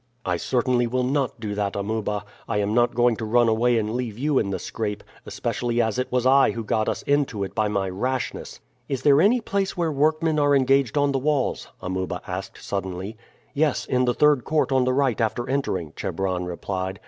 "I certainly will not do that, Amuba. I am not going to run away and leave you in the scrape, especially as it was I who got us into it by my rashness." "Is there any place where workmen are engaged on the walls?" Amuba asked suddenly. "Yes, in the third court on the right after entering," Chebron replied.